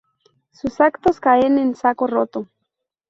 sus actos caen en saco roto